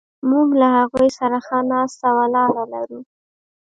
موږ له هغوی سره ښه ناسته ولاړه لرو.